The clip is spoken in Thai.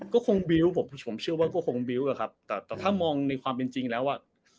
ก็คงบิ้วผมเชื่อว่าก็คงบิ้วอะครับแต่ถ้ามองในความเป็นจริงแล้วอ่ะ